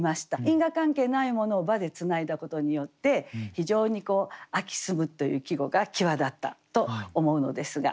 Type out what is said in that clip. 因果関係ないものを「ば」でつないだことによって非常に「秋澄む」という季語が際立ったと思うのですが。